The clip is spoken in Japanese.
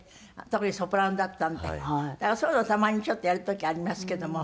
特にソプラノだったのでそういうのをたまにちょっとやる時ありますけども。